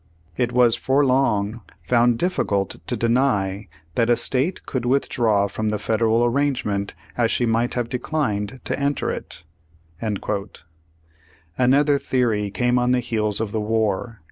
It was for long found difficult to deny that a State could withdraw from the federal arrangement, as she might have declined to enter it." ' Another theory came on the heels of the war.